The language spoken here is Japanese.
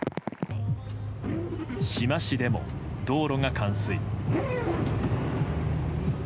志摩市でも道路が冠水。